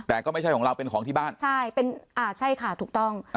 แต่ก็ไม่ใช่ของเราเป็นของที่บ้านใช่เป็นอ่าใช่ค่ะถูกต้อง